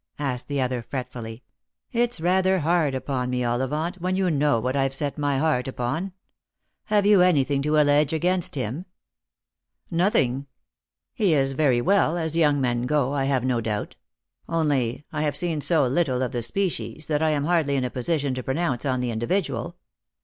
" asked the other fretfully. " It's rather hard upon me, Ollivant, when you know what I've set my heart upon. Have you anything to allege against him ?"" Nothing. He is very well, as young men go, I have no doubt; only, I have seen so little of the species, that I am hardly in a position to pronounce on the individual.